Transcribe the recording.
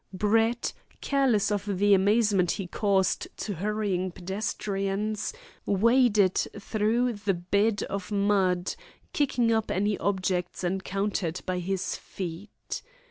Brett, careless of the amazement he caused to hurrying pedestrians, waded through the bed of mud, kicking up any objects encountered by his feet.